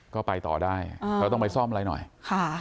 ก็ไปต่อได้ก็ต้องไปซ่อมอะไรหน่อยค่ะ